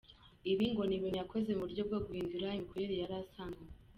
Ibi ngo ni ibintu yakoze mu buryo bwo guhindura imikorere yari asanganywe.